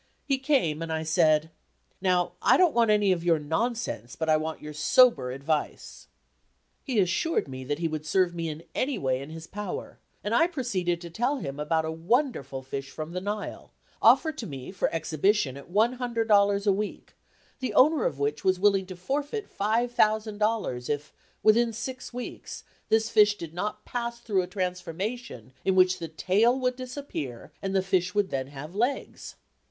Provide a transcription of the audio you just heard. He came, and I said: "Now, I don't want any of your nonsense, but I want your sober advice." He assured me that he would serve me in any way in his power, and I proceeded to tell him about a wonderful fish from the Nile, offered to me for exhibition at $100 a week, the owner of which was willing to forfeit $5,000, if, within six weeks, this fish did not pass through a transformation in which the tail would disappear and the fish would then have legs.